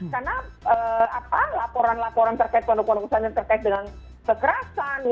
karena laporan laporan terkait pondok pondok pesantren terkait dengan kekerasan